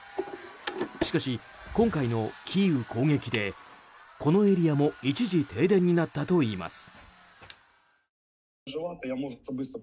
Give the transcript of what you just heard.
しかし、今回のキーウ攻撃でこのエリアも一時停電になったといいます。